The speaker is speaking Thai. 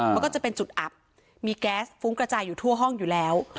มันก็จะเป็นจุดอับมีแก๊สฟุ้งกระจายอยู่ทั่วห้องอยู่แล้ว